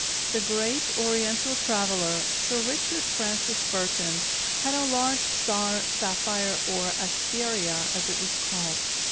The great Oriental traveller, Sir Richard Francis Burton, had a large star sapphire or asteria, as it was called.